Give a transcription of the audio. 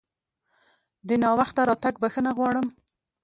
د ناوخته راتګ بښنه غواړم!